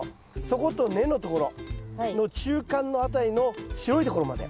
そこと根のところの中間の辺りの白いところまで。